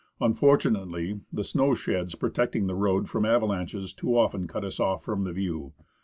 Unfortunately, the snow sheds protecting the road from avalanches too often cut us off from the view.